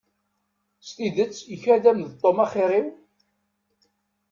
S tidet ikad-am-d Tom axir-iw?